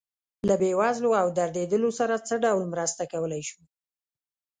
له بې وزلو او دردېدلو سره څه ډول مرسته کولی شو.